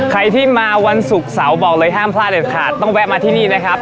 ใครที่มาวันศุกร์เสาร์บอกเลยห้ามพลาดเด็ดขาดต้องแวะมาที่นี่นะครับ